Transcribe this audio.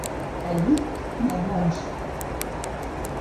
A Llirt, maimons.